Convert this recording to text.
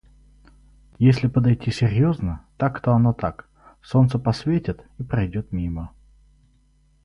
Если подойти серьезно — так-то оно так. Солнце посветит — и пройдет мимо.